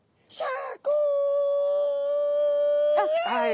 はい。